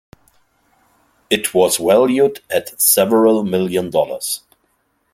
It was valued at several million dollars.